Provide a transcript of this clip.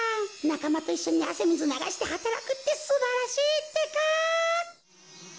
なかまといっしょにあせみずながしてはたらくってすばらしいってか！